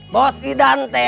bos idan teh